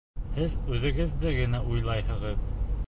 Һеҙ үҙегеҙҙе генә уйлайһығыҙ.